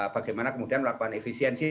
bagaimana kemudian melakukan efisiensi